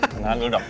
kenalan lu dong